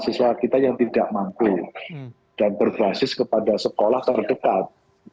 siswa kita yang tidak mampu dan berbasis kepada sekolah terdekat